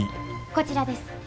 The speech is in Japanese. こちらです。